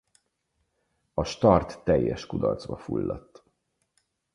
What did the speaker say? A start teljes kudarcba fulladt.